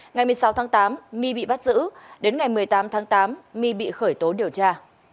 ngày một mươi sáu tháng tám my bị bắt giữ đến ngày một mươi tám tháng tám my bị khởi tố điều tra